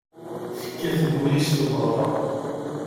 Tekkat deg wul-is tmeɣra.